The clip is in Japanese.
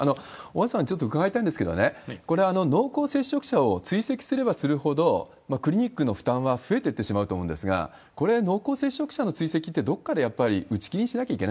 小畠さん、ちょっと伺いたいんですけれども、これ、濃厚接触者を追跡すればするほど、クリニックの負担は増えていってしまうと思うんですが、思うんですが、これ、濃厚接触者の追跡って、どこかでやっぱり打ち切りにしなきゃいけ